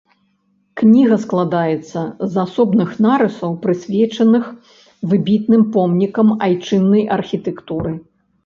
Кніга складаецца з асобных нарысаў, прысвечаных выбітным помнікам айчыннай архітэктуры.